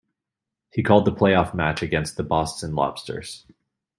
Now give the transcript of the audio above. He called the playoff match against the Boston Lobsters.